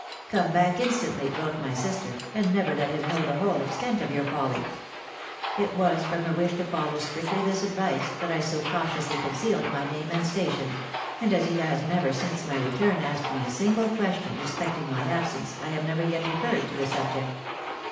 ' Come back instantly,' wrote my sister, ' and never let him know the whole extent of yom' folly.' It was from a wish to foUow strictly this advice, that I so cautiously concealed my name and station ; and as he has never since my return asked me a single question respecting my absence, I have never yet recurred to the subject.